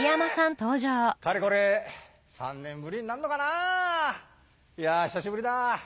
かれこれ３年ぶりになんのかな。いや久しぶりだ。